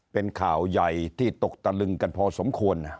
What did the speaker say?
เป็นข่าวใหญ่ที่ตกตะลึงกันพอสมควร